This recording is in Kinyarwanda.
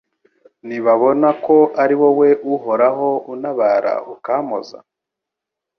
nibabona ko ari wowe Uhoraho untabara ukampoza